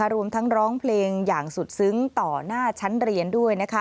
รวมทั้งร้องเพลงอย่างสุดซึ้งต่อหน้าชั้นเรียนด้วย